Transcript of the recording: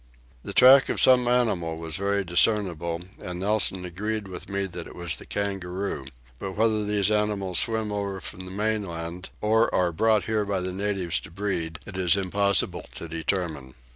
The track of some animal was very discernible and Nelson agreed with me that it was the kangaroo; but whether these animals swim over from the mainland, or are brought here by the natives to breed, it is impossible to determine.